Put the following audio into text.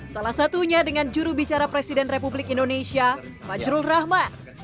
salah satunya dengan jurubicara presiden republik indonesia majrul rahmat